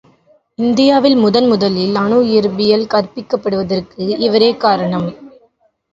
இந்தியாவில் முதல்முதலில் அணு இயற்பியல் கற்பிக்கப்படுவதற்கு இவரே காரணம்.